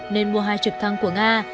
nên mua hai trực thăng của nga